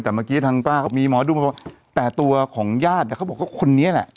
แต่เมื่อกี้ทางป้าก็มีหมอดูมาบอกแต่ตัวของญาติเขาบอกว่าคนนี้แหละ